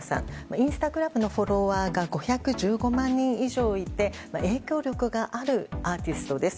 インスタグラムのフォロワーが５１５万人以上いて影響力があるアーティストです。